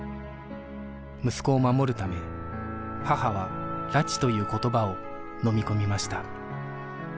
息子を守るため母は「拉致」という言葉をのみ込みました